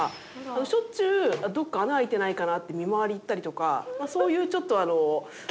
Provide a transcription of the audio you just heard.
しょっちゅうどこか穴開いてないかなって見回り行ったりとかそういうちょっとあの。